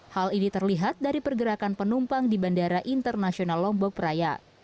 hal ini terlihat dari pergerakan penumpang di bandara internasional lombok peraya